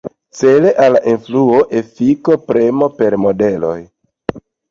Cele al influo, efiko, premo per modeloj.